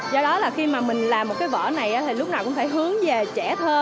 do đó là khi mà mình làm một cái vở này thì lúc nào cũng phải hướng về trẻ thơ